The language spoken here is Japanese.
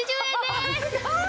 すごーい！